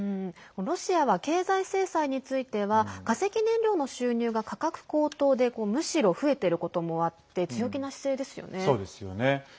ロシアは経済制裁については化石燃料の収入が価格高騰でむしろ増えていることもあって強気な姿勢ですよね。